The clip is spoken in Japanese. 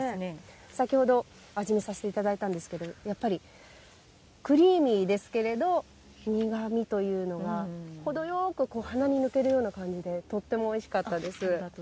先ほど味見させていただいたんですけどやっぱり、クリーミーですけれど苦みというのが程よく鼻に抜けるような感じでとてもおいしかったです。